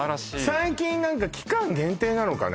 最近何か期間限定なのかな？